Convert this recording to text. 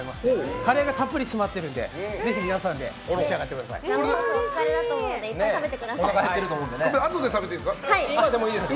カレーがたっぷり詰まっているので、ぜひ皆さんであとで食べていいですか？